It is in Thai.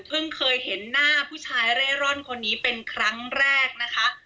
เคยเห็นหน้าผู้ชายเร่ร่อนคนนี้เป็นครั้งแรกนะคะ